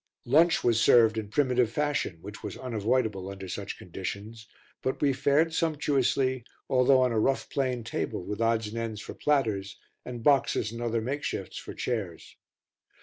Lunch was served in primitive fashion, which was unavoidable under such conditions but we fared sumptuously, although on a rough plain table with odds and ends for platters, and boxes and other makeshifts for chairs.